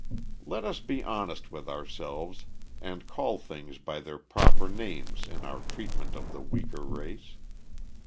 Let us be honest with ourselves and call things by their proper names in our treatment of the weaker race.